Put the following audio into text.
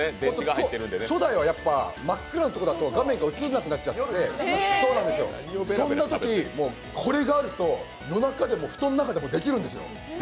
初代はやっぱ真っ暗な所だと画面が映らなくなっちゃって、そんなとき、これがあると、夜中でも布団の中でもできるんですよ。